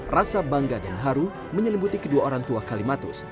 rasa bangga dan haru menyelubuti kedua orang tua kalimantus